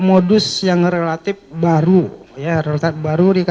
modus yang relatif